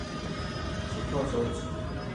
سٺو سوچ.